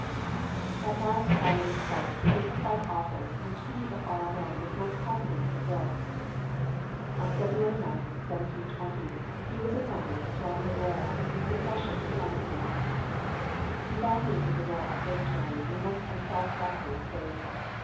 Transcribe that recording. At last Halley was called to the dignified office which he of all men was most competent to fill. On February 9th, 1720, he was appointed Astronomer Royal in succession to Flamsteed. He found things at the Royal Observatory in a most unsatisfactory state.